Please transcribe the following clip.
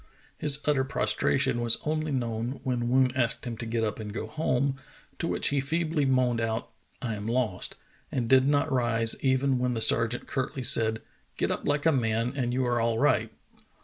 His utter prostration was only known when Woon asked him to get up and go home, to which he feebly moaned out, "I am lost," and did not rise even when the sergeant curtly said: "Get up like a man and you are all right."